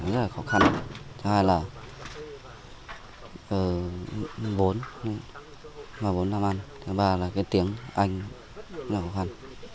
rất là khó khăn thứ hai là vốn mà vốn làm ăn thứ ba là cái tiếng anh rất là khó khăn